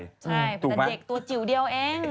ใช่แต่เด็กตัวจิ๋วเดียวเอง